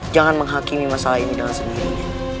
jangan menghakimi masalah ini dengan sendirinya